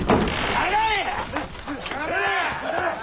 下がれ！